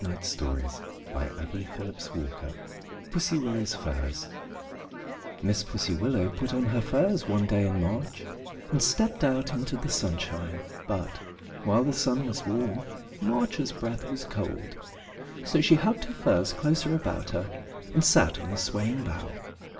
PUSSY WILLOW'S FURS [Illustration: Pussy Willow's Furs] Miss Pussy Willow put on her furs one day in March and stepped out into the sunshine; but, while the sun was warm, March's breath was cold, so she hugged her furs closer about her and sat on a swaying bough.